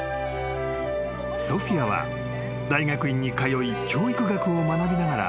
［ソフィアは大学院に通い教育学を学びながら］